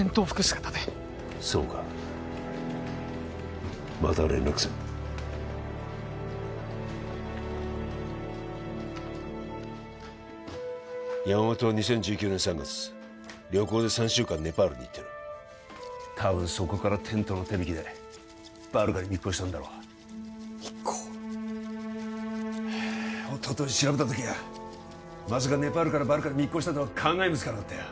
姿でそうかまた連絡する山本は２０１９年３月旅行で３週間ネパールに行ってる多分そこからテントの手引きでバルカに密航したんだろう密航はあっおととい調べた時にはまさかネパールからバルカに密航したとは考えもつかなかったよ